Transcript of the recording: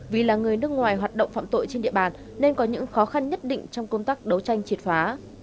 vì là người nước ngoài hoạt động phạm tội trên địa bàn nên có những khó khăn nhất định trong công tác đấu tranh triệt phá